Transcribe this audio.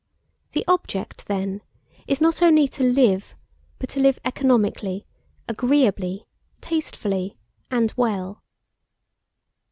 The object, then, is not only to live, but to live economically, agreeably, tastefully, and well.